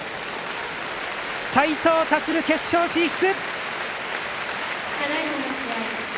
斉藤立、決勝進出！